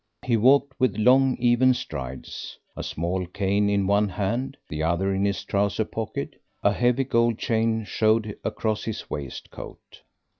He walked with long, even strides, a small cane in one hand, the other in his trousers pocket; a heavy gold chain showed across his waistcoat.